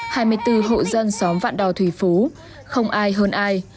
hai mươi bốn hộ dân xóm vạn đò thủy phú không ai hơn ai